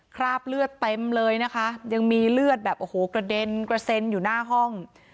คราบเลือดเต็มเลยนะคะยังมีเลือดแบบโอ้โหกระเด็นกระเซ็นอยู่หน้าห้อง